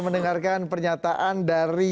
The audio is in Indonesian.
mendengarkan pernyataan dari